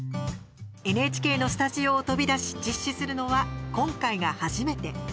ＮＨＫのスタジオを飛び出し実施するのは今回が初めて。